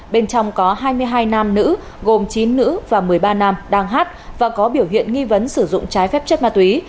bên trong có hai mươi hai nam nữ gồm chín nữ và một mươi ba nam đang hát và có biểu hiện nghi vấn sử dụng trái phép chất ma túy